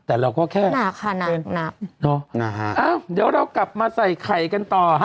แต่เราก็แค่หนักค่ะหนักน่ะเดี๋ยวเรากลับมาใส่ไข่กันต่อฮะ